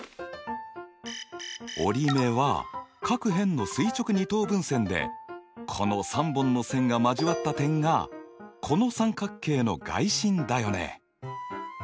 折り目は各辺の垂直二等分線でこの３本の線が交わった点がこの三角形の外心だよね。